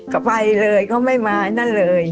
ก็ไปเลยเขาไม่มานั่นเลย